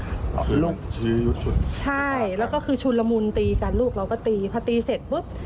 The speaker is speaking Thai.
คือลูกชุดใช่แล้วก็คือชุนละมุนตีกันลูกเราก็ตีพอตีเสร็จปุ๊บ